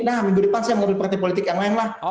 nah minggu depan saya ngobrol partai politik yang lain lah